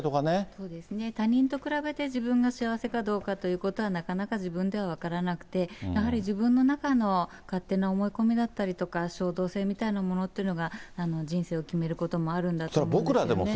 そうですね、他人と比べて自分が幸せかどうかということはなかなか自分では分からなくて、やはり自分の中の勝手な思い込みだったりとか、衝動性みたいなものが、人生を決めることもあるんだと思いますね。